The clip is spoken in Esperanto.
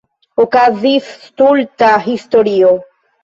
Okazis stulta historio.